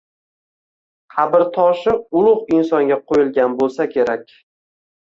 Qabrtoshi ulugʻ insonga qoʻyilgan boʻlsa kerak